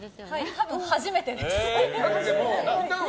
多分初めてです。